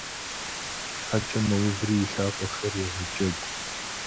Ӏэкӏэ мэуври и лъакъуэхэр егъэджэгу.